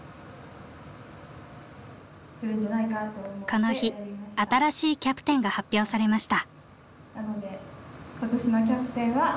この日新しいキャプテンが発表されました。